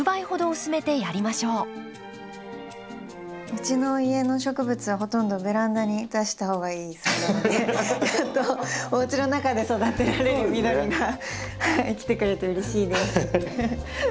うちの家の植物はほとんどベランダに出した方がいいそうなのでおうちの中で育てられる緑が来てくれてうれしいです。